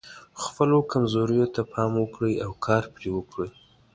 خپلو کمزوریو ته پام وکړئ او کار پرې وکړئ.